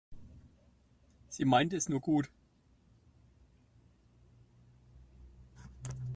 Sie meint es nur gut.